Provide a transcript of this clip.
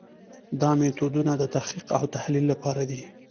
دا میتودونه د تحقیق او تحلیل لپاره دي.